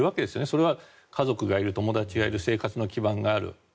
それは家族がいる、友達がいる生活の基盤がある。